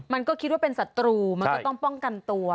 มันก็คิดว่าเป็นศัตรูมันก็ต้องป้องกันตัว